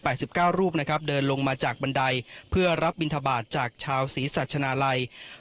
สิบเก้ารูปนะครับเดินลงมาจากบันไดเพื่อรับบินทบาทจากชาวศรีสัชนาลัย